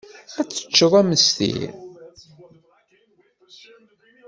Ad teččed amestir?